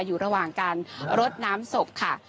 อยู่ระหว่างการรดน้ำศพค่ะ